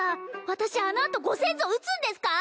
私あのあとご先祖撃つんですか？